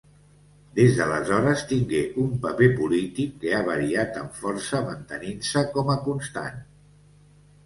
Des d'aleshores tingué un paper polític que ha variat en força mantenint-se com a constant.